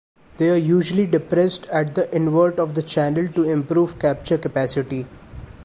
They are usually depressed at the invert of the channel to improve capture capacity.